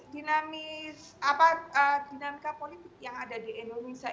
dinamika politik yang ada di indonesia